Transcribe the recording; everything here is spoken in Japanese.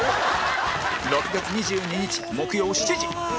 ６月２２日木曜７時